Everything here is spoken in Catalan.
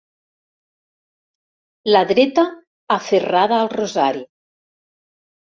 La dreta aferrada al rosari.